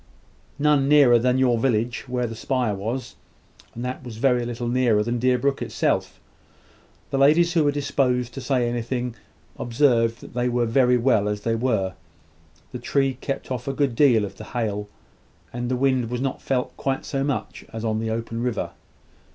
None nearer than you village where the spire was, and that was very little nearer than Deerbrook itself. The ladies who were disposed to say anything, observed that they were very well as they were: the tree kept off a great deal of the hail, and the wind was not felt quite so much as on the open river.